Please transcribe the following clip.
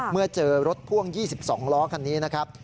เมื่อเจอรถพ่วง๒๒ล้อคันนี้นะครับ